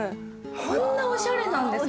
こんなおしゃれなんですか？